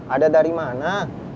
ada dari mana